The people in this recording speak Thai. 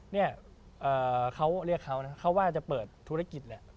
เนี่ยเขาเรียกเขานะเขาว่าจะเปิดธุรกิจแหละ